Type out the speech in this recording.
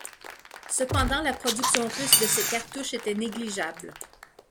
Cependant la production russe de ces cartouches était négligeable.